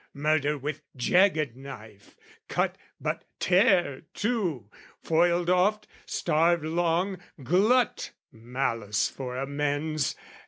"Murder with jagged knife! Cut but tear too! "Foiled oft, starved long, glut malice for amends!"